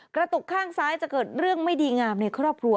กระตุกข้างซ้ายจะเกิดเรื่องไม่ดีงามในครอบครัว